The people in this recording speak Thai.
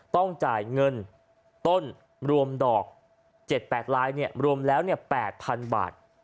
ต้นรวมดอก๗๘รายรวมแล้ว๘๐๐๐บาท